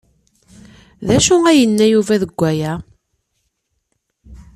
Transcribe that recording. D acu ay yenna Yuba deg waya?